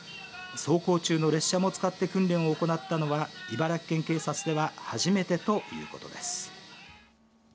走行中の列車も使って訓練を行ったのは茨城県警察では初めてということです。